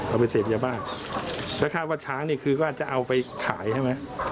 เอาไปเสพยาบ้าแล้วคาดว่าช้างนี่คือก็จะเอาไปขายใช่ไหม